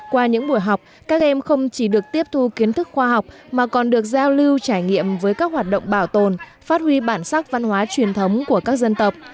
qua những buổi học các em không chỉ được tiếp thu kiến thức khoa học mà còn được giao lưu trải nghiệm với các hoạt động bảo tồn phát huy bản sắc văn hóa truyền thống của các dân tộc